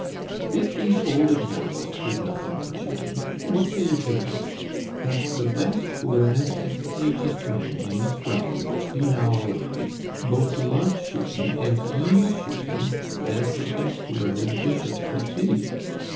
If these old examples prove nothing for shooting, what say you to this, that the best learned and sagest men in this realm which be now alive, both love shooting and use shooting, as the best learned bishops that be?